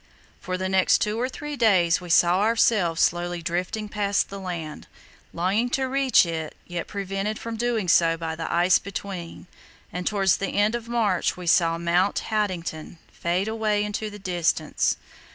For the next two or three days we saw ourselves slowly drifting past the land, longing to reach it yet prevented from doing so by the ice between, and towards the end of March we saw Mount Haddington fade away into the distance.